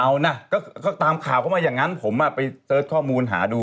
เอานะก็ตามข่าวเข้ามาอย่างนั้นผมไปเสิร์ชข้อมูลหาดู